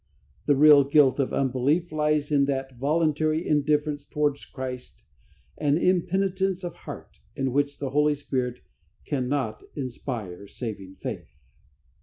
The real guilt of unbelief lies in that voluntary indifference toward Christ, and impenitence of heart, in which the Holy Spirit cannot inspire saving faith.